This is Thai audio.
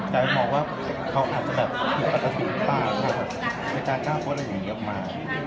แต่หมอว่าเขาอาจจะแบบผิดปากหรือเปล่าหรือจะกล้าพูดอะไรอย่างนี้มา